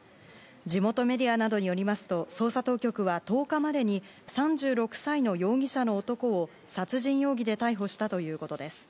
地元メディアなどによりますと捜査当局は１０日までに３６歳の容疑者の男を殺人容疑で逮捕したということです。